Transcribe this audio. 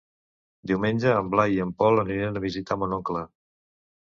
Diumenge en Blai i en Pol aniran a visitar mon oncle.